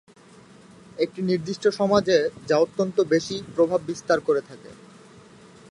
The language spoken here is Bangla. একটি নির্দিষ্ট সমাজে যা অত্যন্ত বেশি প্রভাব বিস্তার করে থাকে।